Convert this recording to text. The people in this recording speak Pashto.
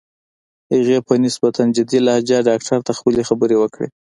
هغې په نسبتاً جدي لهجه ډاکټر ته خپلې خبرې وکړې.